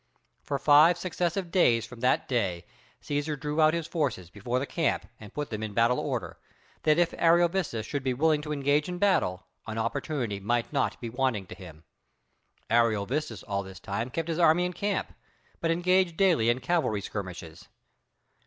For five successive days from that day Cæsar drew out his forces before the camp and put them in battle order, that if Ariovistus should be willing to engage in battle, an opportunity might not be wanting to him. Ariovistus all this time kept his army in camp, but engaged daily in cavalry skirmishes.